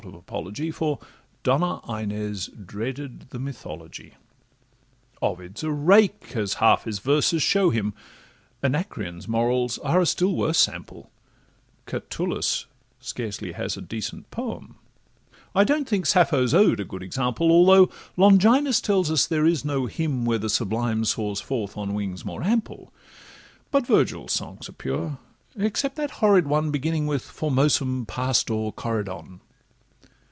of apology, For Donna Inez dreaded the Mythology. Ovid 's a rake, as half his verses show him, Anacreon's morals are a still worse sample, Catullus scarcely has a decent poem, I don't think Sappho's Ode a good example, Although Longinus tells us there is no hymn Where the sublime soars forth on wings more ample: But Virgil's songs are pure, except that horrid one Beginning with 'Formosum Pastor Corydon.